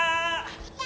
・いた。